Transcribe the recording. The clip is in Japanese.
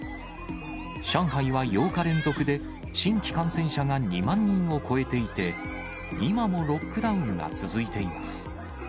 上海は８日連続で新規感染者が２万人を超えていて、今もロックダウンが続いています。